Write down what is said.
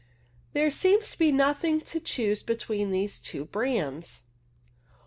There seems to be nothing to choose between these two brands.